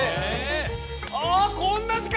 ああこんな時間だ！